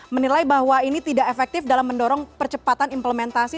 menilai bahwa ini tidak efektif dalam mendorong percepatan implementasi